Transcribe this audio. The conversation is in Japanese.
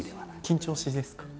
緊張しいですか？